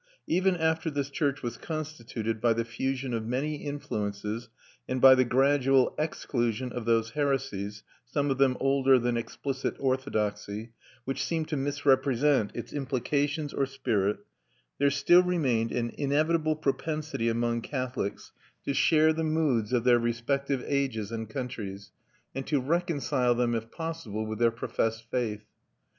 Even after this church was constituted by the fusion of many influences and by the gradual exclusion of those heresies some of them older than explicit orthodoxy which seemed to misrepresent its implications or spirit, there still remained an inevitable propensity among Catholics to share the moods of their respective ages and countries, and to reconcile them if possible with their professed faith.